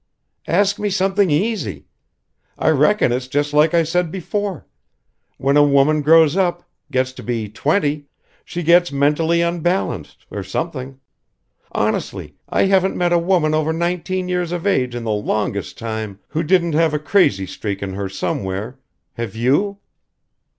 "Ask me something easy. I reckon it's just like I said before: when a woman grows up gets to be twenty she gets mentally unbalanced or something. Honestly, I haven't met a woman over nineteen years of age in the longest time who didn't have a crazy streak in her somewhere. Have you?"